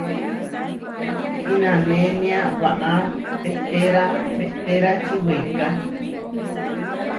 Kinanénia waʼá pehterá pehtérači weiká.